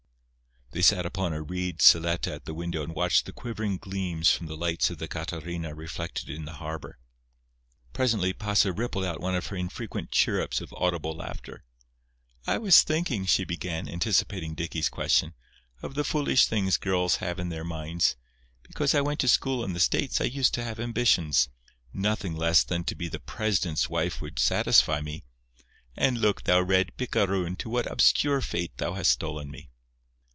They sat upon a reed silleta at the window and watched the quivering gleams from the lights of the Catarina reflected in the harbour. Presently Pasa rippled out one of her infrequent chirrups of audible laughter. "I was thinking," she began, anticipating Dicky's question, "of the foolish things girls have in their minds. Because I went to school in the States I used to have ambitions. Nothing less than to be the president's wife would satisfy me. And, look, thou red picaroon, to what obscure fate thou hast stolen me!"